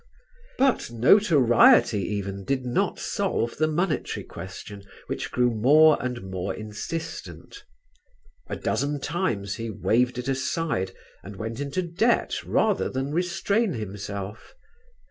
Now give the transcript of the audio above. But notoriety even did not solve the monetary question, which grew more and more insistent. A dozen times he waved it aside and went into debt rather than restrain himself.